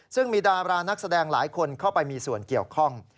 ซึ่งมีดารานักแสดงหลายคนเข้าไปมีส่วนเกี่ยวข้อง